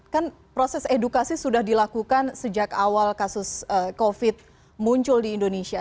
kan proses edukasi sudah dilakukan sejak awal kasus covid muncul di indonesia